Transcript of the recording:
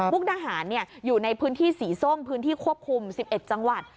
ทหารอยู่ในพื้นที่สีส้มพื้นที่ควบคุม๑๑จังหวัด